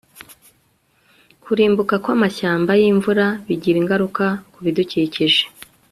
kurimbuka kwamashyamba yimvura bigira ingaruka kubidukikije